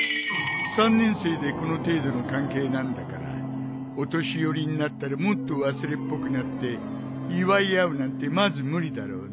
３年生でこの程度の関係なんだからお年寄りになったらもっと忘れっぽくなって祝い合うなんてまず無理だろうね。